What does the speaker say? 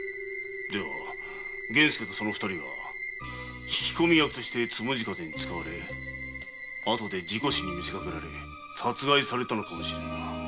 では源助とその二人は引き込み役として「つむじ風」に使われ後で事故死に見せかけられて殺害されたのかもしれぬな。